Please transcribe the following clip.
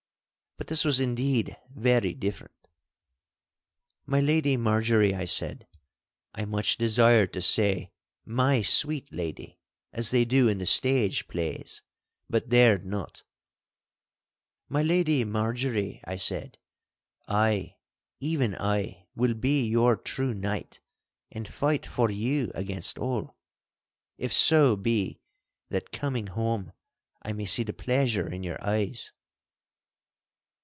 But this was indeed very different. 'My Lady Marjorie,' I said (I much desired to say 'My sweet lady' as they do in the stage plays, but dared not), 'My Lady Marjorie,' I said, 'I, even I, will be your true knight, and fight for you against all, if so be that coming home I may see the pleasure in your eyes.